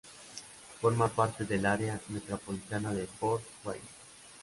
Forma parte del área metropolitana de Fort Wayne.